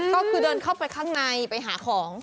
ก็คือเดินเข้าไปข้างในไปหาของ